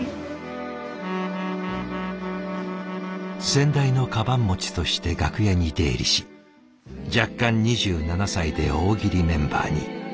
先代のかばん持ちとして楽屋に出入りし弱冠２７歳で大喜利メンバーに。